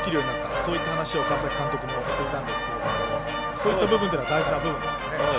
そういった話を川崎監督もしていたんですがそういった部分というのは大事な部分ですよね。